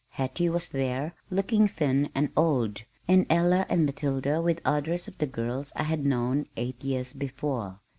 Hattie was there looking thin and old, and Ella and Matilda with others of the girls I had known eight years before.